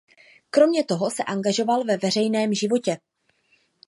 Kromě toho se angažoval ve veřejném životě.